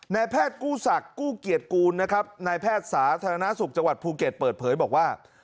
แพทย์กู้ศักดิ์กู้เกียรติกูลนะครับนายแพทย์สาธารณสุขจังหวัดภูเก็ตเปิดเผยบอกว่า